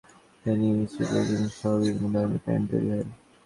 পাবনায় অ্যাবা গ্রুপের vintage denim স্টুডিওতে জিনসসহ বিভিন্ন ধরনের প্যান্ট তৈরি হয়।